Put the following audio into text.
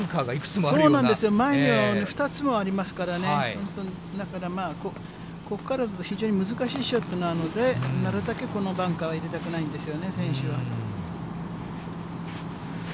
そうなんですよ、前に２つもありますからね、本当に、だからまあ、ここからは非常に難しいショットなので、なるたけこのバンカーには入れたくないんですよね、選手は。